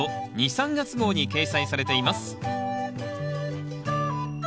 ・３月号に掲載されています。